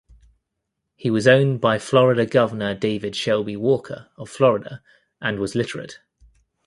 He was owned by Florida Governor David Shelby Walker of Florida and was literate.